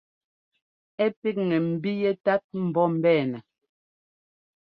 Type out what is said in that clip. Ɛ píkŋɛ mbí yɛ́tát mbɔ́ mbɛɛnɛ.